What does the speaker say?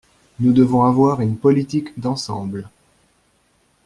Nous devons avoir une politique d’ensemble.